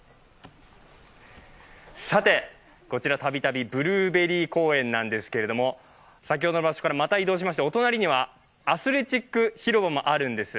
さて、こちらたびたびブルーベリー公園なんですけれども、先ほどの場所からまた移動しまして、お隣にはアスレチック広場もあるんです。